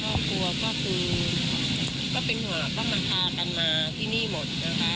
ครอบครัวก็คือก็เป็นห่วงว่ามันพากันมาที่นี่หมดนะคะ